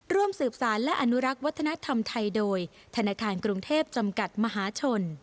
ร่วมสืบสารและอนุรักษ์วัฒนธรรมไทยโดยธนาคารกรุงเทพจำกัดมหาชน